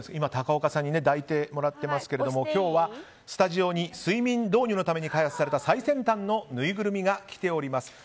高岡さんに抱いてもらっていますが今日はスタジオに睡眠導入のために開発された最先端のぬいぐるみがきております。